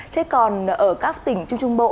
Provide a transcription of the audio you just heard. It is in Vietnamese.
thế còn ở các tỉnh trung trung bộ